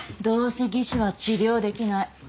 どうせ技師は治療できない。